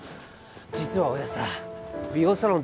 実は親さ美容サロン